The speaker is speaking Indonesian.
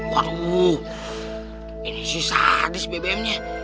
wah ini sih sadis bbm nya